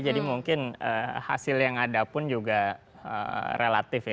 jadi mungkin hasil yang ada pun juga relatif ya